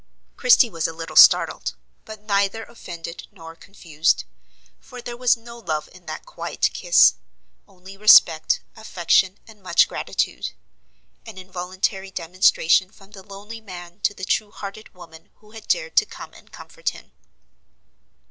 Christie was a little startled, but neither offended nor confused; for there was no love in that quiet kiss,—only respect, affection, and much gratitude; an involuntary demonstration from the lonely man to the true hearted woman who had dared to come and comfort him.